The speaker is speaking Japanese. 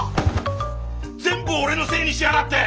全部おれのせいにしやがって！